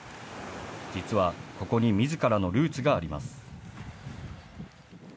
実はここにみずからのルーツがあります。